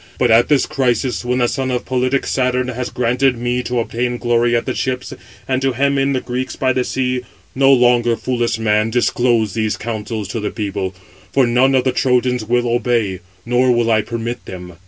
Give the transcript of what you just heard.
But at this crisis, when the son of politic Saturn has granted me to obtain glory at the ships, and to hem in the Greeks by the sea, no longer, foolish man, disclose these counsels to the people: for none of the Trojans will obey; nor will I permit them.